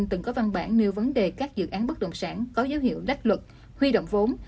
từng có văn bản nêu vấn đề các dự án bất động sản có dấu hiệu lách luật huy động vốn